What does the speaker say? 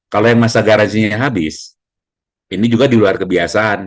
kalau yang masa garansinya habis ini juga di luar kebiasaan